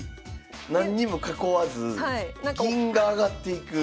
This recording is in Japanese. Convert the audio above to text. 何にも囲わず銀が上がっていく。